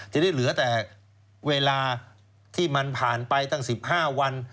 ทีนี้เหลือแต่เวลาที่มันผ่านไปตั้ง๑๕วัน